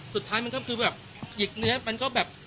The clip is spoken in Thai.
สุดท้ายมันก็คือแบบหยิกเนื้อมันก็แบบ